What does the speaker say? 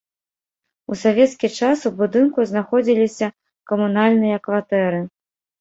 У савецкі час у будынку знаходзіліся камунальныя кватэры.